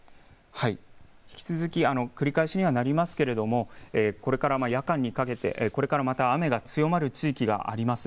引き続き、繰り返しにはなりますけれども、これから夜間にかけてこれからまた雨が強まる地域があります。